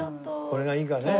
これがいいかね。